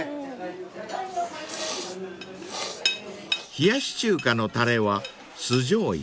［冷やし中華のタレは酢じょうゆ］